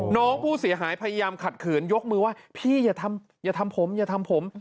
น้องผู้เสียหายพยายามขัดขืนยกมือว่าพี่อย่าทำอย่าทำผมอย่าทำผม